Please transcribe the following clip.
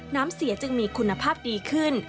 น้ำเสียจึงมีคุณภาพดีขึ้น